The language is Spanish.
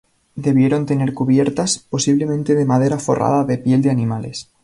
Debieron tener cubiertas, posiblemente de madera forrada de piel de animales.